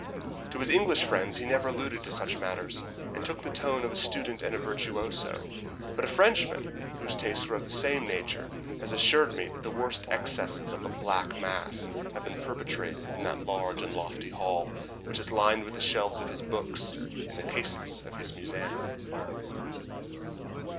To his English friends he never alluded to such matters, and took the tone of the student and virtuoso; but a Frenchman whose tastes were of the same nature has assured me that the worst excesses of the black mass have been perpetrated in that large and lofty hall, which is lined with the shelves of his books, and the cases of his museum.